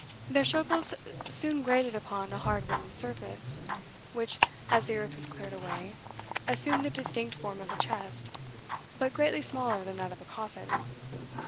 Their shovels soon grated upon a hard wooden surface, which, as the earth was cleared away, assumed the distinct form of a chest, but greatly smaller than that of a coffin.